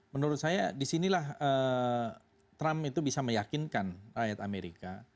menurut saya disinilah trump itu bisa meyakinkan rakyat amerika